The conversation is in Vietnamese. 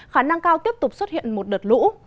khả năng cao tiếp tục xuất hiện một đợt lũ